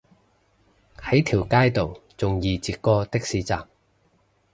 喺條街度仲易截過的士站